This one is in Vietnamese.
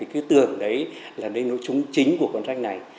cứ tưởng đấy là nơi nối chung chính của cuốn sách này